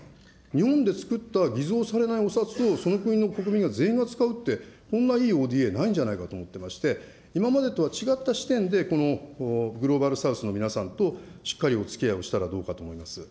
日本で作った偽造されないお札を、その国の国民が全員が使うって、こんないいＯＤＡはないんじゃないかと思ってまして、今までとは違った視点で、このグローバル・サウスの皆さんとしっかりおつきあいをしたらどうかと思います。